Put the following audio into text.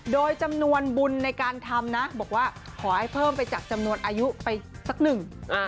โดยจำนวนบุญในการทำนะบอกว่าขอให้เพิ่มไปจากจำนวนอายุไปสักหนึ่ง